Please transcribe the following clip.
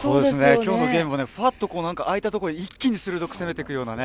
今日のゲームも空いたところに一気に鋭く攻めていくようなね。